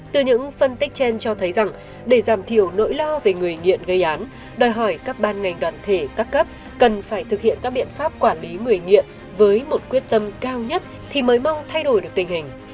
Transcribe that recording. từ những phân tích trên cho thấy rằng để giảm thiểu nỗi lo về người nghiện gây án đòi hỏi các ban ngành đoàn thể các cấp cần phải thực hiện các biện pháp quản lý người nghiện với một quyết tâm cao nhất thì mới mong thay đổi được tình hình